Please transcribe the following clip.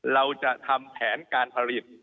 เราจะทำแผนการผลิต